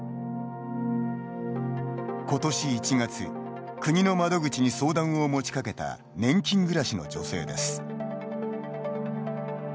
今年１月国の窓口に相談を持ちかけた年金暮らしの女性です。